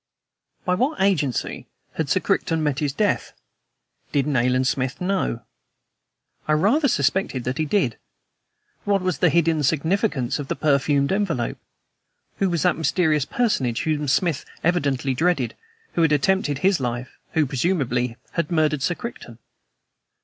By what agency had Sir Crichton met his death? Did Nayland Smith know? I rather suspected that he did. What was the hidden significance of the perfumed envelope? Who was that mysterious personage whom Smith so evidently dreaded, who had attempted his life, who, presumably, had murdered Sir Crichton?